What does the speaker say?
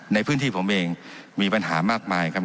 ในพื้นที่ผมเองมีปัญหามากมายครับ